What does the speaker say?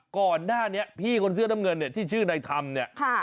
ก่อนหน้านี้พี่คนเสื้อน้ำเงินเนี่ยที่ชื่อในธรรมเนี่ย